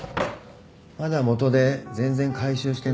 まだ元手全然回収してないし。